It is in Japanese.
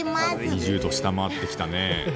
２０度を下回ってきたね。